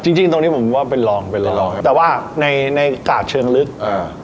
จริงจริงตรงนี้ผมว่าเป็นรองเป็นรองรองครับแต่ว่าในในกาดเชิงลึกอ่า